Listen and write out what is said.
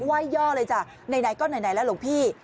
หว่ายย่อเลยจ้ะไหนก็ไหนลหลงพี่